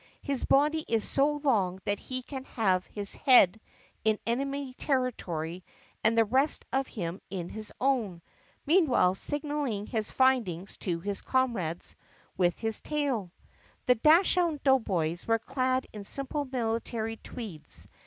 His body is so long that he can have his head in enemy territory and the rest of him in his own, meanwhile signaling his findings to his comrades with his tail. The Dachshund Doughboys were clad in simple military tweeds.